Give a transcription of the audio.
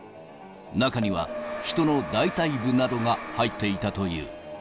中には、人の大たい部などが入っていたという。